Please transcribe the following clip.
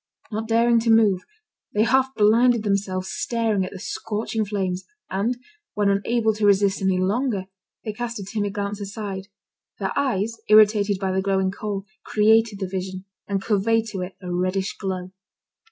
Not daring to move, they half blinded themselves staring at the scorching flames, and, when unable to resist any longer, they cast a timid glance aside, their eyes irritated by the glowing coal, created the vision, and conveyed to it a reddish glow.